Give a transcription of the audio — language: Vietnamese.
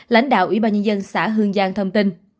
lãnh đạo ủy ban nhân dân xã hương giang thông tin